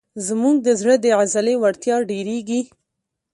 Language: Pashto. زموږ د زړه د عضلې وړتیا ډېرېږي.